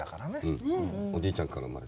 うんおじいちゃんから産まれた。